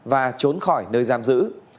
và trốn khỏi nơi giam giữ